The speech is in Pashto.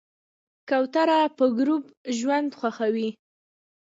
کوتره په ګروپ ژوند خوښوي.